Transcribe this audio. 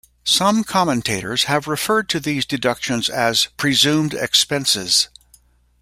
Some commentators have referred to these deductions as "presumed expenses".